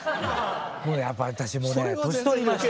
もうねやっぱり私もうね年取りました。